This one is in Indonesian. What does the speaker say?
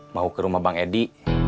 mau ke rumah bang edi